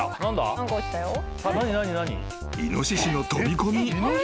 ［イノシシの飛び込み］